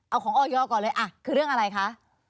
เอาของออยก่อนเลยคือเรื่องอะไรคะ